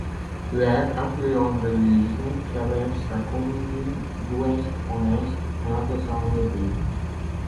L'Erre, affluent de l'Huisne, traverse la commune d'ouest en est en arrosant le bourg.